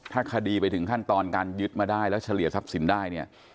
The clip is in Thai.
ถ้าคดีไปถึงขั้นตอนการยึดมาได้แล้วเฉลี่ยทรัพย์สินได้เนี่ย